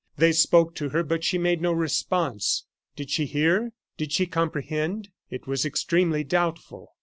They spoke to her but she made no response. Did she hear? did she comprehend? It was extremely doubtful.